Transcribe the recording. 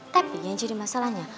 tapi yang jadi masalahnya